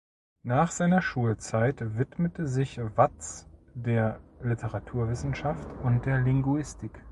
Nach seiner Schulzeit widmete sich Watts der Literaturwissenschaft und der Linguistik.